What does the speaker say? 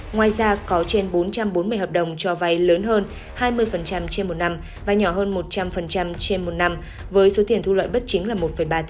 ngoài ra có trên bốn trăm bốn mươi hợp đồng cho vay lớn hơn hai mươi trên một năm và nhỏ hơn một trăm linh trên một năm